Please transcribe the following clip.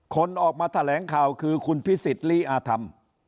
คนออกมาแถลงข่าวคือคุณพิสิทธิลีอาธรรม